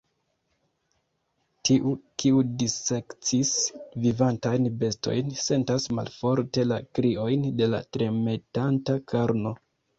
Tiu, kiu dissekcis vivantajn bestojn, sentas malforte la kriojn de la tremetanta karno.